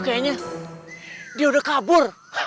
kayaknya dia udah kabur